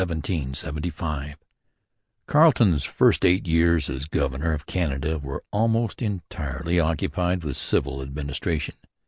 CHAPTER IV INVASION 1775 Carleton's first eight years as governor of Canada were almost entirely occupied with civil administration.